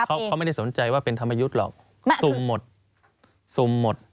เขาไม่ได้สนใจว่าเป็นธรรมยุทธหรอกซุมหมด